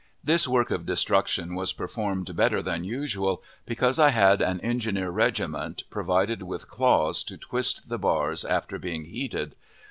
This work of destruction was performed better than usual, because I had an engineer regiment, provided with claws to twist the bars after being heated.